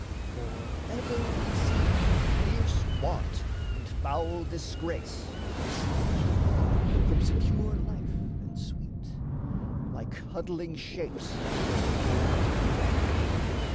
For ever we see fierce Want and foul Disgrace Dislodged afar from secure life and sweet, Like huddling Shapes before the doors of death.